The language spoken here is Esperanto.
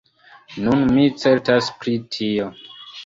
Nun mi certas pri tio.